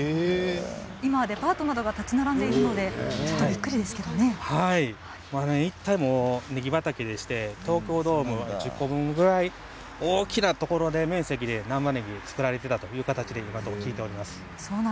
今はデパートなどが立ち並んでいるのでこの一帯、ねぎ畑でして東京ドーム１０個分ぐらい大きな面積で難波ねぎが作られていたと聞いております。